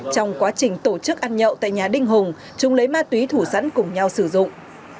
trong quá trình tổ chức ăn nhậu tại nhà đinh hùng chúng lấy ma túy thủ sẵn cùng nhau sử dụng